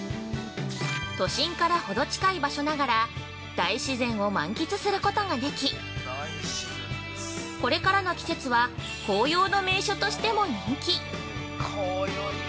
都心からほど近い場所ながら大自然を満喫することができ、これからの季節は紅葉の名所としても人気！